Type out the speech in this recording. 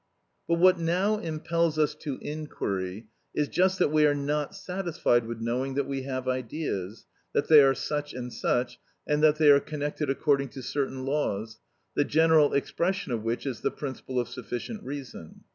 But what now impels us to inquiry is just that we are not satisfied with knowing that we have ideas, that they are such and such, and that they are connected according to certain laws, the general expression of which is the principle of sufficient reason.